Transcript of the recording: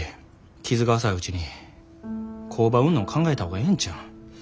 傷が浅いうちに工場売んの考えた方がええんちゃうん。